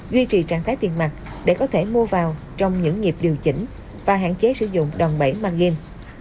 duy trì trạng thái tiền mặt để có thể mua vào trong những nghiệp điều chỉnh và hạn chế sử dụng đòn bẫy màng game